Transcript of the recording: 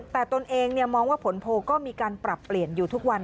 แต่ตนเองมองว่าผลโพลก็มีการปรับเปลี่ยนอยู่ทุกวัน